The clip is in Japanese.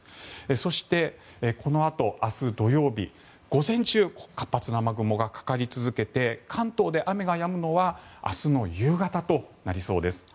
そして、このあと明日土曜日午前中、活発な雨雲がかかり続けて関東で雨がやむのは明日の夕方となりそうです。